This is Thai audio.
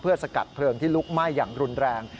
เพื่อสกัดเครื่องที่ลุกไหม้อย่างรุนแรง